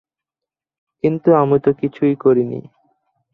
কিন্তু আমি তো কিছুই করিনি।